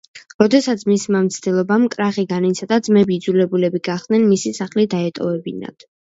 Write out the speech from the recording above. როდესაც მისმა მცდელობამ კრახი განიცადა, ძმები იძულებულები გახდნენ, მისი სახლი დაეტოვებინათ.